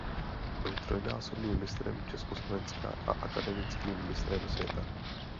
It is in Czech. Byl trojnásobným mistrem Československa a akademickým mistrem světa.